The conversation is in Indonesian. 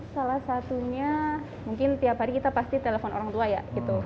salah satunya mungkin tiap hari kita pasti telepon orang tua ya gitu